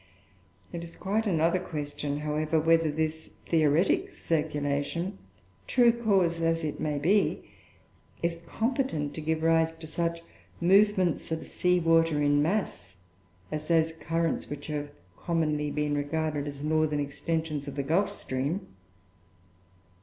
It is quite another question, however, whether this theoretic circulation, true cause as it may be, is competent to give rise to such movements of sea water, in mass, as those currents, which have commonly been regarded as northern extensions of the Gulf stream.